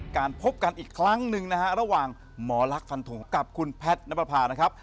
การพบกันอีกครั้งหนึ่งนะฮะระหว่างหมอลักษันทงกับคุณแพทย์นับประพานะครับ